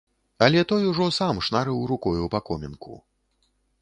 Але той ужо сам шнарыў рукою па комінку.